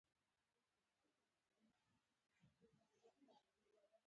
بېل زاویې لیدلوري ګوري.